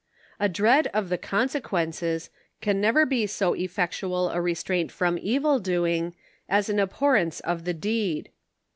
A dread of the consequences can never be so effectual a restraint from evil doing as an abhorrence of 64 the deed.